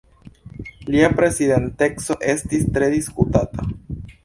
Lia prezidenteco estis tre diskutata.